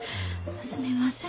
すみません。